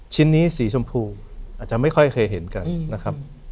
ชิ้นนี้สีชมพูอาจจะไม่ค่อยเคยเห็นกันนะครับ